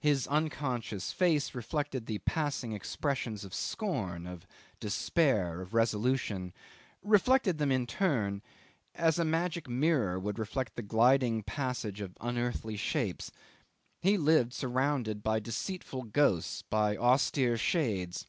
His unconscious face reflected the passing expressions of scorn, of despair, of resolution reflected them in turn, as a magic mirror would reflect the gliding passage of unearthly shapes. He lived surrounded by deceitful ghosts, by austere shades.